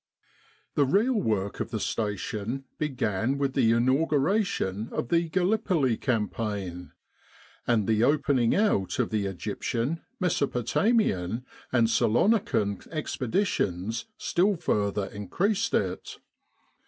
* The real work of the Station began with the inauguration of the Gallipoli Campaign ; and the opening out of the Egyptian, Mesopotamian, and Salonican Expeditions still further increased it.